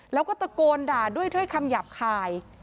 แล้วก็ตะโกนด่าด้วยถ้อยคำหยาบคาย